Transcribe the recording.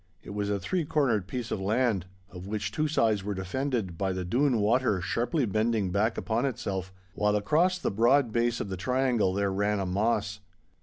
It was a three cornered piece of land, of which two sides were defended by the Doon Water sharply bending back upon itself, while across the broad base of the triangle there ran a moss.